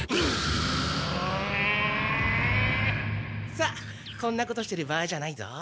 さっこんなことしてる場合じゃないぞ。